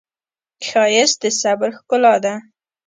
ښایست د صبر ښکلا ده